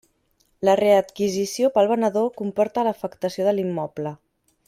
La readquisició pel venedor comporta l'afectació de l'immoble.